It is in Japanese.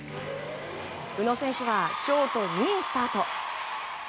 宇野選手はショート２位スタート。